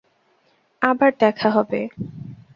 আবার দেখা হবে।